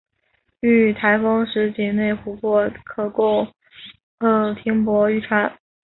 遇台风时仅内泊地可供停泊渔船。